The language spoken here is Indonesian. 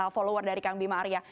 follower dari kang bima arya